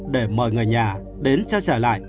để mời người nhà đến trao trả lại